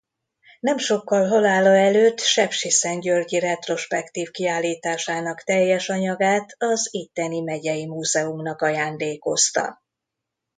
Nem sokkal halála előtt sepsiszentgyörgyi retrospektív kiállításának teljes anyagát az itteni megyei múzeumnak ajándékozta.